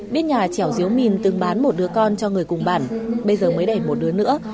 biết nhà trẻo diếu mìn từng bán một đứa con cho người cùng bản bây giờ mới đẩy một đứa nữa